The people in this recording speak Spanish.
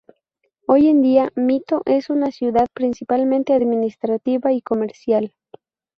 Hoy en día, Mito es una ciudad principalmente administrativa y comercial.